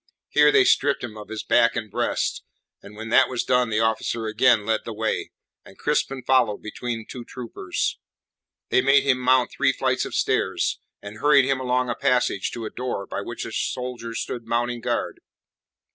Here they stripped him of his back and breast, and when that was done the officer again led the way, and Crispin followed between two troopers. They made him mount three flights of stairs, and hurried him along a passage to a door by which a soldier stood mounting guard.